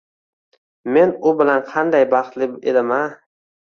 Men u bilan qanday baxtli edim-a…